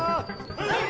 ・・はい！